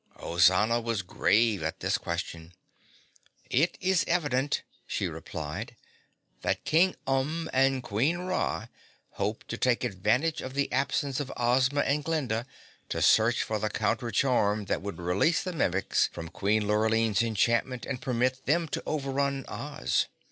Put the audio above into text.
Ozana was grave at this question. "It is evident," she replied, "that King Umb and Queen Ra hope to take advantage of the absence of Ozma and Glinda to search for the counter charm that would release the Mimics from Queen Lurline's enchantment and permit them to overrun Oz.